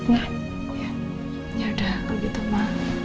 ya udah aku gitu mba